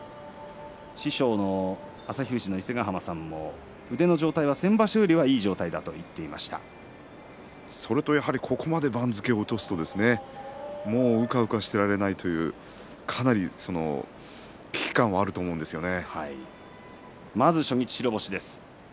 師匠の伊勢ヶ濱さんも腕の状態は先場所よりはそれからここまで番付を落としますとねもううかうかしていられないというかなり危機感はまず初日白星です。